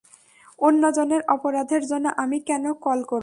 অন্যজনের অপরাধের জন্য আমি কেন কল করব?